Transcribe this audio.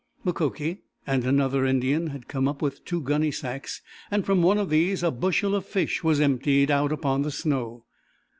Mukoki and another Indian had come up with two gunny sacks, and from one of these a bushel of fish was emptied out upon the snow.